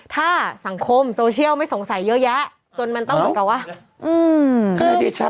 ถ้าสังคมโซเชียลไม่สงสัยเยอะแยะจนมันต้องเหมือนกับว่า